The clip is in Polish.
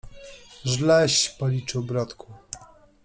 - Żleś policzył, bratku.